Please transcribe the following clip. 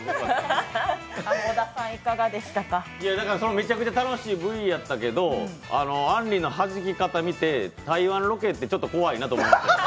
めちゃくちゃ楽しいＶやったけど、あんりのはじけ方を見て、台湾ロケってちょっと怖いなと思って。